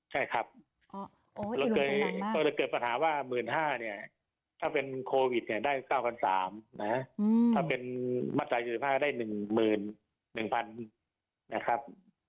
ใช่ครับก็เลยเกิดปัญหาว่า๑๕๐๐เนี่ยถ้าเป็นโควิดเนี่ยได้๙๓๐๐นะถ้าเป็นมาตรา๔๕ได้๑๑๐๐๐นะครับ